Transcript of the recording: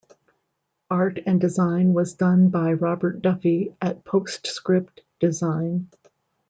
Art and design was done by Robert Duffy at PostScript Design.